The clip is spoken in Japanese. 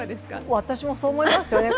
私もそう思いますね。